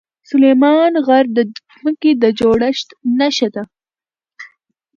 سلیمان غر د ځمکې د جوړښت نښه ده.